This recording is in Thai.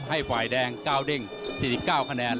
ให้ฝ่ายแดงก้าวเด้ง๔๙คะแนน